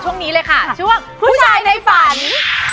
โปรดติดตามตอนต่อไป